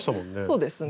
そうですね。